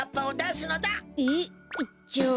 えっ？じゃあ。